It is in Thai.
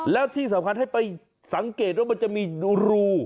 แล้วที่สำคัญให้ไปสังเกตว่ามันจะมีรู